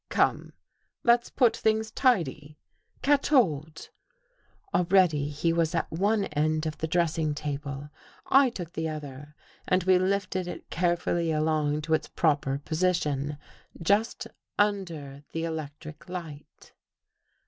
Come! Let's put things tidy. Catch hold." Already he was at one end of the dressing table. I took the other and we lifted it carefully along to its proper position just under the electric light.